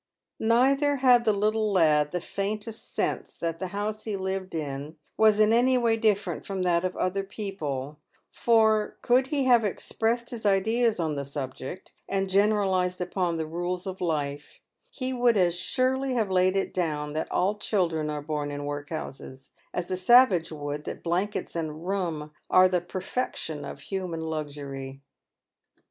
Neither had the little lad the faintest sense that the house he lived in was in any way different from that of other people ; for, could he have expressed his ideas on the subject, and generalised upon the rules of life, he would as surely have laid it down that all children are born in workhouses, as a savage would that blankets and rum are the perfection of human luxury.